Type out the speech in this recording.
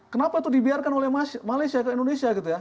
kenapa itu dibiarkan oleh malaysia ke indonesia gitu ya